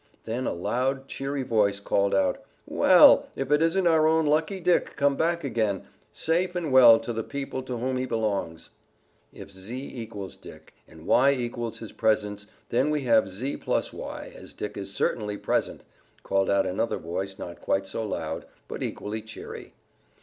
Then a loud, cheery voice called out: "Well, if it isn't our own Lucky Dick come back again, safe and well to the people to whom he belongs!" "If z equals Dick and y equals his presence then we have z plus y, as Dick is certainly present," called out another voice not quite so loud, but equally cheery.